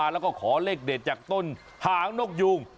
แล้วก็ขอเลขเด็ดจากต้นหางนกยูง